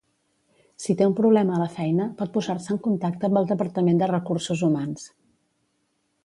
Si té un problema a la feina, pot posar-se en contacte amb el departament de Recursos Humans.